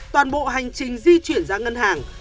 toàn bộ hành trình di chuyển ra ngân hàng